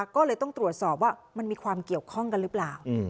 ก็เลยต้องตรวจสอบว่ามันมีความเกี่ยวข้องกันหรือเปล่า